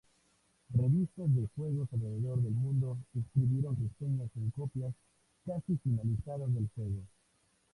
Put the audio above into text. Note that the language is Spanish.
Revistas de juegos alrededor del mundo escribieron reseñas en copias casi finalizadas del juego.